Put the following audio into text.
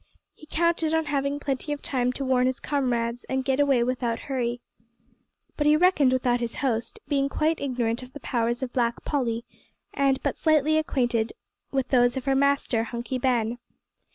He counted on having plenty of time to warn his comrades and get away without hurry. But he reckoned without his host being quite ignorant of the powers of Black Polly, and but slightly acquainted with those of her master Hunky Ben.